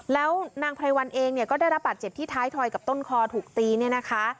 แล้วนางไพรวัลเองเนี่ยก็ได้รับบาดเจ็บที่ท้ายถอยกับต้นคอถูกตีเนี่ยนะคะ